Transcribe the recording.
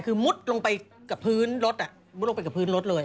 คือมุดลงไปกับพื้นรถมุดลงไปกับพื้นรถเลย